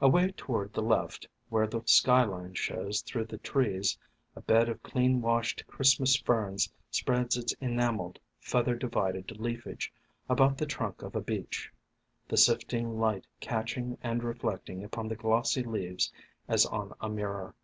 Away toward the left, where the sky line shows through the trees, a bed of clean washed Christmas Ferns spreads its enameled, feather divided leafage about the trunk of a Beech, the sifting light catching and reflecting upon the glossy leaves as on a mirror.